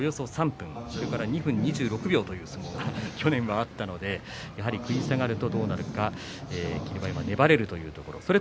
それから２分２６秒という相撲が去年はあったのでやはり食い下がるとどうなるか霧馬山、粘れるというところです。